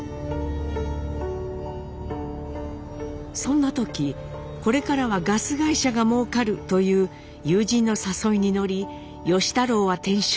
そんな時「これからはガス会社がもうかる」という友人の誘いに乗り芳太郎は転職。